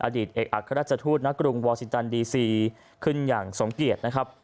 อดีตเอกอัครราชทูตณกรุงวอซิจันดีซีขึ้นอย่างสมเกียจนะครับ